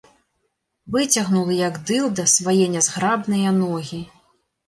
Выцягнула, як дылда, свае нязграбныя ногі.